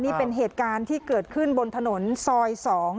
นี่เป็นเหตุการณ์ที่เกิดขึ้นบนถนนซอย๒